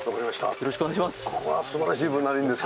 よろしくお願いします。